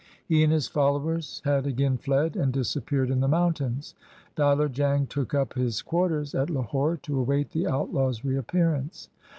He and his followers had again fled and disappeared in the mountains. Diler Jang took up his quarters at Lahore to await the outlaw's reappearance.